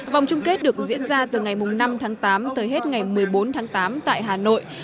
vòng chung kết được diễn ra từ ngày năm tháng tám tới hết ngày một mươi bốn tháng tám tại hà nội